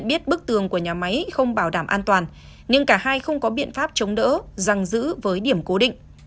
biết bức tường của nhà máy không bảo đảm an toàn nhưng cả hai không có biện pháp chống đỡ răng giữ với điểm cố định